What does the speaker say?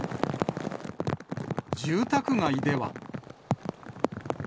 住宅街では。